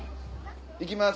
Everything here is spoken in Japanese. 行きます。